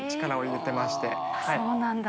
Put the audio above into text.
そうなんだ。